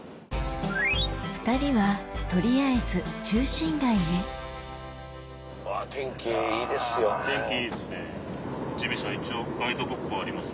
２人は取りあえず中心街へうわ天気いいですよ。